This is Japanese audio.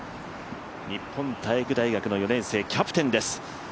日本体育大学の４年生キャプテンです。